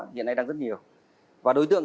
hiện nay đang rất nhiều và đối tượng